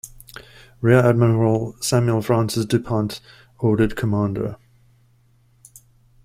Rear Admiral Samuel Francis Du Pont ordered Comdr.